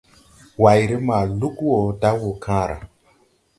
Wayre ma lug wo da woo kããra.